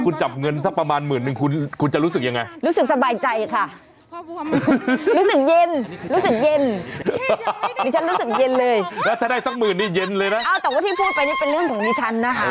ลองฝืนจับดีกว่า